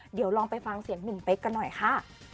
เดี๋ยวลองไปฟังเสียงหนุ่มเป๊กกันหน่อยค่ะ